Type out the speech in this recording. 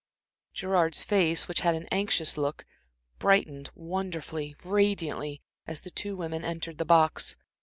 Gerard's face, which had an anxious look, brightened wonderfully, radiantly, as the two women entered the box.